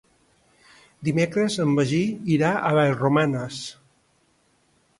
Dimecres en Magí irà a Vallromanes.